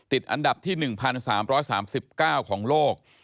อันดับที่๑๓๓๙ของโลก